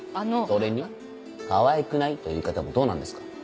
それに「かわいくない？」という言い方もどうなんですか？